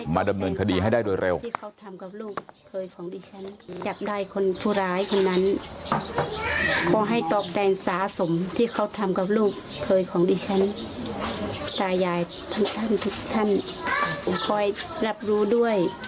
มาดำเนินคดีให้ได้โดยเร็ว